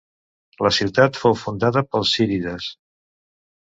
La ciutat fou fundada pels zírides.